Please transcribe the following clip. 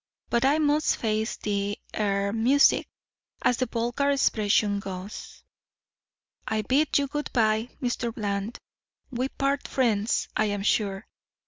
But I must face the er music, as the vulgar expression goes. I bid you good by, Mr. Bland. We part friends, I am sure.